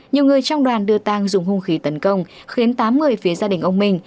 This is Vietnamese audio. nhiều người trong đoàn đưa tăng dùng hung khí tấn công khiến tám người phía gia đình ông minh